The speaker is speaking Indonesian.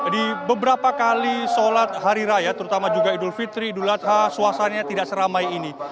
di beberapa kali sholat hari raya terutama juga idul fitri idul adha suasananya tidak seramai ini